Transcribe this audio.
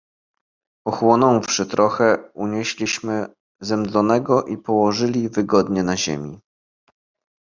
"Ochłonąwszy trochę, unieśliśmy zemdlonego i położyli wygodnie na ziemi."